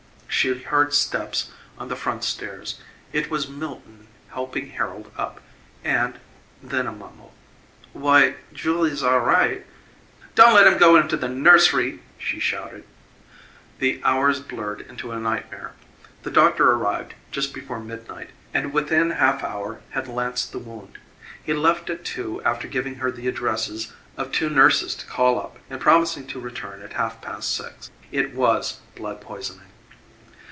She heard steps on the front stairs it was Milton helping Harold up and then a mumble: "Why, Julie's a'righ'." "Don't let him go into the nursery!" she shouted. The hours blurred into a nightmare. The doctor arrived just before midnight and within a half hour had lanced the wound. He left at two after giving her the addresses of two nurses to call up and promising to return at half past six. It was blood poisoning.